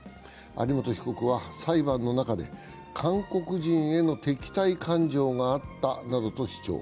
有本被告は裁判の中で韓国人への敵対感情があったなどと主張。